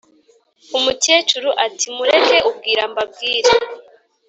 Umukecuru ati"mureke ubwira mbabwire "